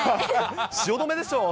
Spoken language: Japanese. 汐留でしょ？